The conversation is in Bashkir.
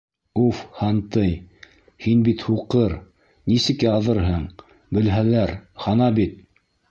Уф, һантый, һин бит һуҡыр, нисек яҙырһың, белһәләр, хана бит.